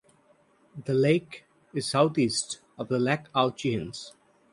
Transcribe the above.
The lake is southeast of the Lac aux Chiens.